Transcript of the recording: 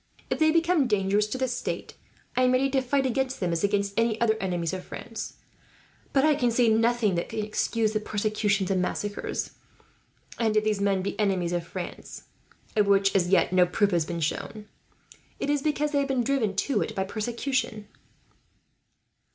If they become dangerous to the state, I am ready to fight against them, as against any other enemies of France; but I can see nothing that can excuse the persecutions and massacres. And if these men be enemies of France, of which as yet no proof has been shown, it is because they have been driven to it, by persecution."